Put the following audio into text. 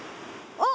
あっ。